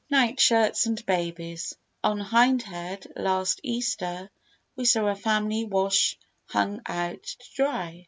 Night Shirts and Babies On Hindhead, last Easter, we saw a family wash hung out to dry.